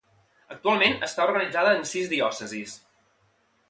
Actualment està organitzada en sis diòcesis.